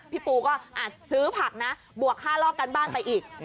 พี่ปูก็ซื้อผักนะบวกค่าลอกกันบ้านไปอีก